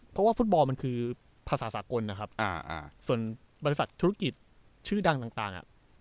เพราะว่าฟุตบอลมันคือภรรยาศาสตร์โคนนะครับอ่าต่อไปบริษัทธุรกิจชื่อดังต่าง